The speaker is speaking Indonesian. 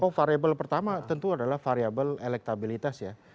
oh variable pertama tentu adalah variable elektabilitas ya